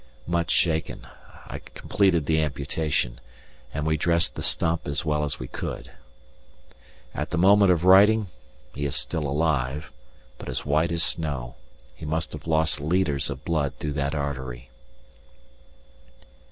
Much shaken, I completed the amputation, and we dressed the stump as well as we could. At the moment of writing he is still alive, but as white as snow; he must have lost litres of blood through that artery.